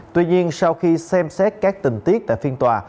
tuy nhiên sau khi xem xét các tình tiết tại phiên tòa